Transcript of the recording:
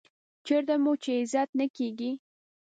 چېرته چې مو عزت نه کېږي .